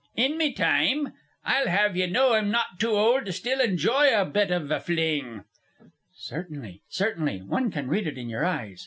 "In me time? I'll have ye know I'm not too old to still enjoy a bit iv a fling." "Certainly, certainly. One can read it in your eyes.